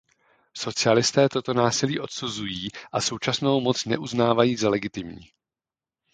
Socialisté toto násilí odsuzují a současnou moc neuznávají za legitimní.